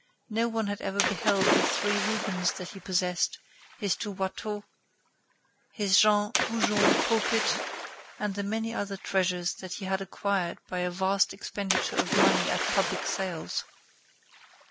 No one had ever beheld the three Rubens that he possessed, his two Watteau, his Jean Goujon pulpit, and the many other treasures that he had acquired by a vast expenditure of money at public sales.